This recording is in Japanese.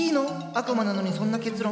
悪魔なのにそんな結論。